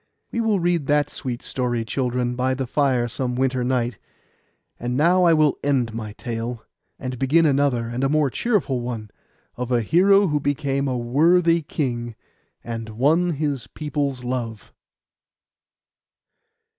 We will read that sweet story, children, by the fire some winter night. And now I will end my tale, and begin another and a more cheerful one, of a hero who became a worthy king, and won his people's love.